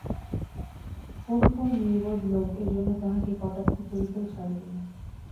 কোন কোন নির্বোধ লোক এ-জন্য তাঁহাকে কটাক্ষ করিতেও ছাড়িত না।